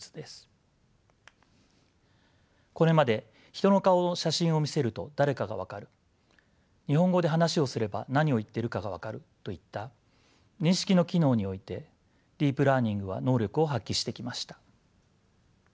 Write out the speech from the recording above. これまで人の顔の写真を見せると誰かが分かる日本語で話をすれば何を言ってるかが分かるといった認識の機能においてディープ・ラーニングは能力を発揮してきました。